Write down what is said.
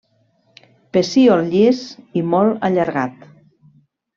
Pecíol llis i molt allargat.